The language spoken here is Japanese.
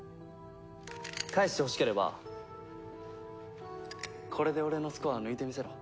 返してほしければこれで俺のスコアを抜いてみせろ。